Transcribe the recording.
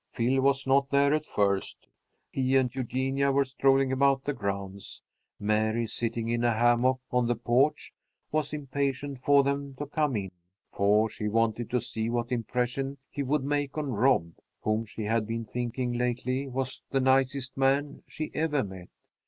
Phil was not there at first. He and Eugenia were strolling about the grounds. Mary, sitting in a hammock on the porch, was impatient for them to come in, for she wanted to see what impression he would make on Rob, whom she had been thinking lately was the nicest man she ever met.